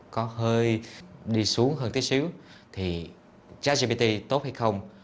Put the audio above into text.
có hơi đi xuống hơn tí xíu thì chat gpt tốt hay không